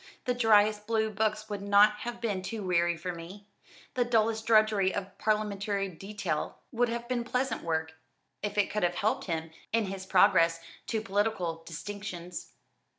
The driest blue books would not have been too weary for me the dullest drudgery of parliamentary detail would have been pleasant work, if it could have helped him in his progress to political distinctions."